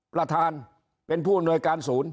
ประธานเป็นผู้อำนวยการศูนย์